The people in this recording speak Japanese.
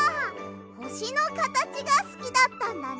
ほしのかたちがすきだったんだね。